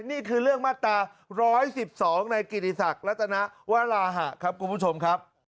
นี่คือเรื่องมาตรา๑๑๒ในกิติศักดิ์รัตนวราหะครับคุณผู้ชมครับ